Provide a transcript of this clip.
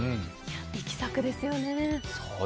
力作ですよね。